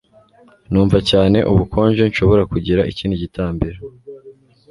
Numva cyane ubukonje. Nshobora kugira ikindi gitambaro?